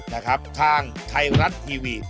นะครับทางไทยรัฐทีวี